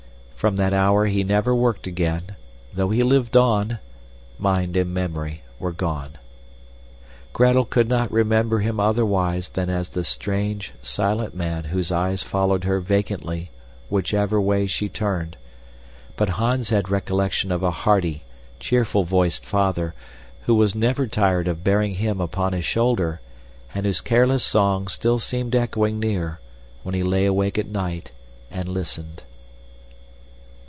From that hour he never worked again; though he lived on, mind and memory were gone. Gretel could not remember him otherwise than as the strange, silent man whose eyes followed her vacantly whichever way she turned, but Hans had recollections of a hearty, cheerful voiced father who was never tired of bearing him upon his shoulder and whose careless song still seemed echoing near when he lay awake at night and listened.